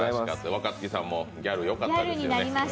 若槻さんもギャル、よかったですね。